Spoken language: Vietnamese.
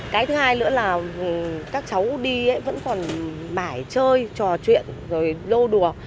cái thứ hai nữa là các cháu đi vẫn còn mãi chơi trò chuyện rồi lô đùa